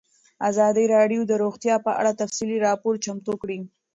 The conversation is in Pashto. ازادي راډیو د روغتیا په اړه تفصیلي راپور چمتو کړی.